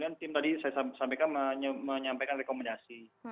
jadi tadi saya sampaikan menyampaikan rekomendasi